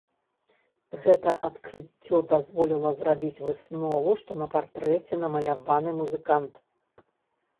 Гэта адкрыццё дазволіла зрабіць выснову, што на партрэце намаляваны музыкант.